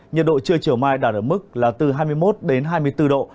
nhật độ trưa chiều mai đạt được mức là từ hai mươi một đến hai mươi bốn độ